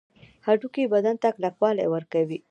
هډوکي بدن ته کلکوالی ورکوي